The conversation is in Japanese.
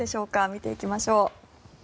見ていきましょう。